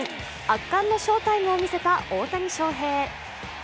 圧巻の翔タイムを見せた大谷翔平。